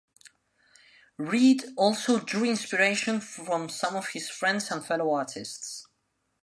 Reed also drew inspiration from some of his friends and fellow artists.